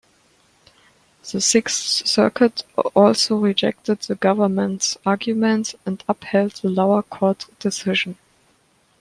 The Sixth Circuit also rejected the Government's arguments and upheld the lower court decision.